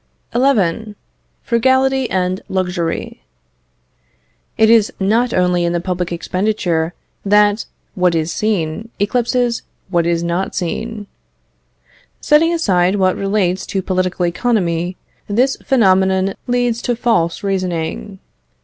XI. Frugality and Luxury. It is not only in the public expenditure that what is seen eclipses what is not seen. Setting aside what relates to political economy, this phenomenon leads to false reasoning.